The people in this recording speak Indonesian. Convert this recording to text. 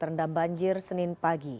rendam banjir senin pagi